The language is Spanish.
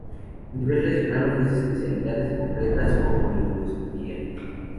A nivel regional ofrece especialidades concretas, como neurocirugía.